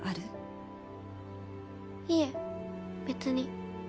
いえ別に。